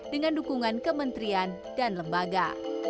dengan dukungan kementerian dan lembaga